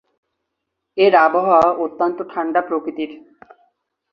এর আবহাওয়া অত্যন্ত ঠাণ্ডা প্রকৃতির।